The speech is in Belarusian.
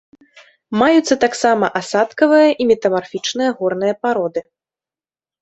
Маюцца таксама асадкавыя і метамарфічныя горныя пароды.